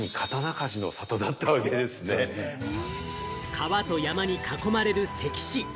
川と山に囲まれる関市。